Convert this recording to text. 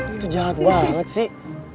lo tuh jahat banget sih